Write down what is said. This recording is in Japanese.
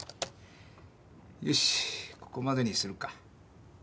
よしここまでにするか。